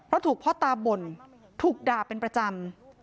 เพราะถูกพ่อตาบ่นถูกด่าเป็นประจำ